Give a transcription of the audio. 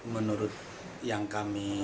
menurut yang kami